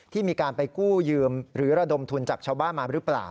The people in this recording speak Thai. ที่มีการไปกู้ยืมหรือระดมทุนจากชาวบ้านมาหรือเปล่า